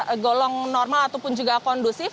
tergolong normal ataupun juga kondusif